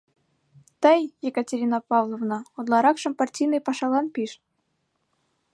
Тый, Екатерина Павловна, утларакшым партийный пашалан пиж.